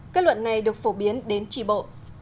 kết luận này được phổ biến đến trị bộ